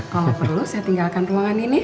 kalau perlu saya tinggalkan ruangan ini